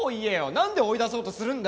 なんで追い出そうとするんだよ？